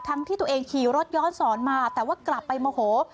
ที่ตัวเองขี่รถย้อนสอนมาแต่ว่ากลับไปโมโห